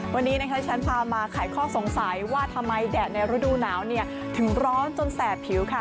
วันนี้นะคะที่ฉันพามาขายข้อสงสัยว่าทำไมแดดในฤดูหนาวถึงร้อนจนแสบผิวค่ะ